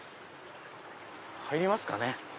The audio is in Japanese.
入りますかね。